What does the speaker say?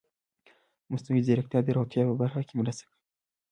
مصنوعي ځیرکتیا د روغتیا په برخه کې مرسته کوي.